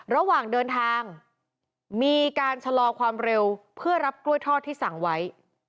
ระหว่างเดินทางมีการชะลอความเร็วเพื่อรับกล้วยทอดที่สั่งไว้